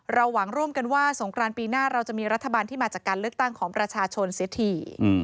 หวังร่วมกันว่าสงครานปีหน้าเราจะมีรัฐบาลที่มาจากการเลือกตั้งของประชาชนเสียที